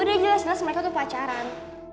udah jelas jelas mereka tuh pacaran